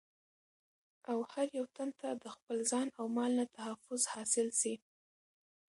او هر يو تن ته دخپل ځان او مال نه تحفظ حاصل سي